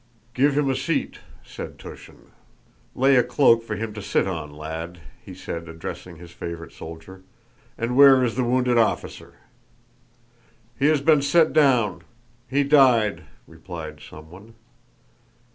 "Give him a seat," said Túshin. "Lay a cloak for him to sit on, lad," he said, addressing his favorite soldier. "And where is the wounded officer?" "He has been set down. He died," replied someone.